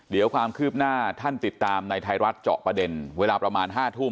เดี๋ยวความคืบหน้าท่านติดตามในไทยรัฐเจาะประเด็นเวลาประมาณ๕ทุ่ม